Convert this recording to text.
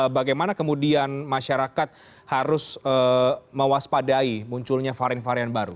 bagaimana kemudian masyarakat harus mewaspadai munculnya varian varian baru